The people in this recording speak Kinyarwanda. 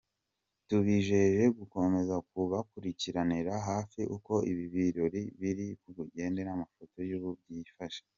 Tubijeje gukomeza kubakurikiranira hafi uko ibi birori biri bugende n’amafoto y’uko byifashe.